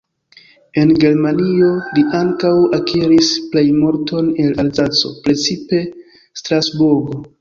En Germanio, li ankaŭ akiris plejmulton el Alzaco, precipe Strasburgo.